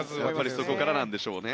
そこからなんでしょうね。